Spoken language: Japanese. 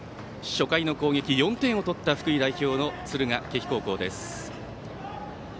初回の攻撃、４点を取った福井代表の敦賀気比高校です。